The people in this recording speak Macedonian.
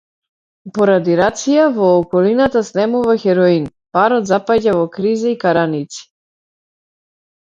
Поради рација, во околината снемува хероин, парот запаѓа во криза и караници.